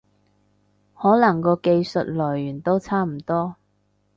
可能個技術來源都差唔多